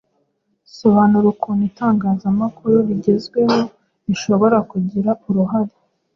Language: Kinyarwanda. Sobanura ukuntu itangazamakuru rigezweho rishobora kugira uruhare